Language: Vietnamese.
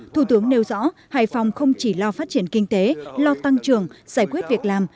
thủ tướng nêu rõ hải phòng không chỉ lo phát triển kinh tế lo tăng trường giải quyết việc làm